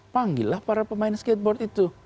panggillah para pemain skateboard itu